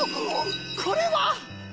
これは。